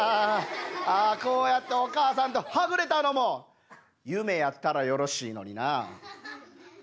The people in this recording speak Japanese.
ああこうやってお母さんとはぐれたのも夢やったらよろしいのにな。